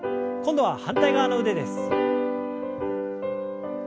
今度は反対側の腕です。